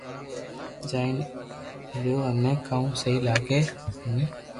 جئين ليو ھمي ڪاو سھي لاگي منو